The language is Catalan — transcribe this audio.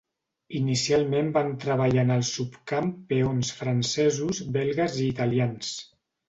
Inicialment van treballar en el subcamp peons francesos, belgues i italians.